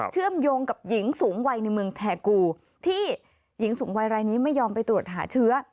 เชื่อมโยงกับหญิงสูงวัยในเมืองแทรกูที่ไม่ยอมไปตรวจหาเชื้อ